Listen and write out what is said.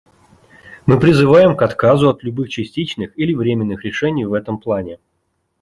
Мы призываем к отказу от любых частичных или временных решений в этом плане.